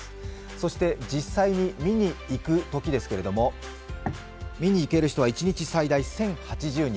そして実際に見に行くときですけれども、見に行ける人は一日最大１０８０人。